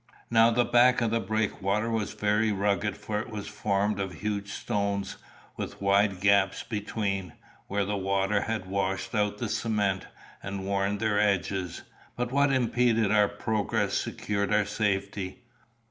Now the back of the breakwater was very rugged, for it was formed of huge stones, with wide gaps between, where the waters had washed out the cement, and worn their edges. But what impeded our progress secured our safety.